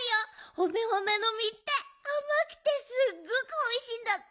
ホメホメのみってあまくてすっごくおいしいんだって。